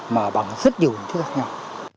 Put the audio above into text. mà bằng rất nhiều những thứ khác nhau